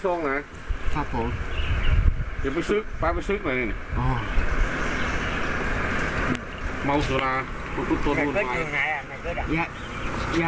ทำไมต้องจุด้วย